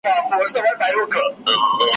عقل په پیسو نه رانیول کېږي ,